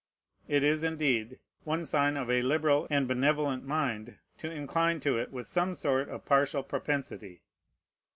It is, indeed, one sign of a liberal and benevolent mind to incline to it with some sort of partial propensity.